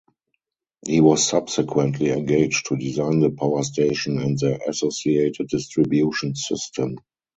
He was subsequently engaged to design the power station and the associated distribution system.